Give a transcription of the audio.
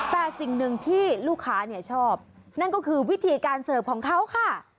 แต่สิ่งหนึ่งที่ลูกค้าชอบนั่นก็คือวิธีการเสิร์ฟของเขาค่ะ